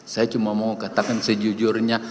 saya cuma mau katakan sejujurnya